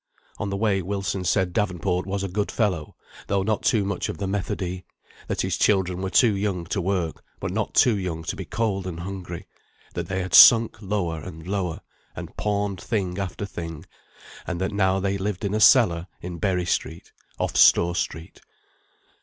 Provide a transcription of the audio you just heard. On the way Wilson said Davenport was a good fellow, though too much of the Methodee; that his children were too young to work, but not too young to be cold and hungry; that they had sunk lower and lower, and pawned thing after thing, and that now they lived in a cellar in Berry Street, off Store Street.